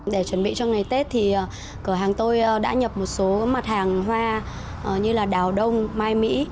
để chuẩn bị cho ngày tết thì cửa hàng tôi đã nhập một số mặt hàng hoa như là đào đông mai mỹ